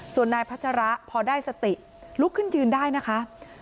ส่วนนายพัชระพอได้สติลุกขึ้นยืนได้นะคะ